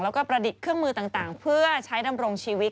แล้วก็ประดิษฐ์เครื่องมือต่างเพื่อใช้ดำรงชีวิต